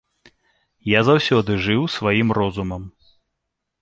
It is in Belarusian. Я заўсёды жыў сваім розумам.